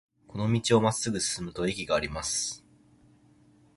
この道をまっすぐ進むと駅があります。